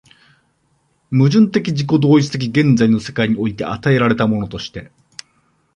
矛盾的自己同一的現在の世界において与えられたものとして、